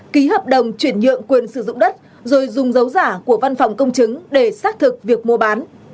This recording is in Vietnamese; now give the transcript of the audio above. ký hợp đồng chuyển nhượng quyền sử dụng đất rồi dùng dấu giả của văn phòng công chứng để xác thực việc mua bán